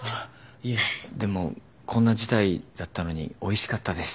いえでもこんな事態だったのにおいしかったです。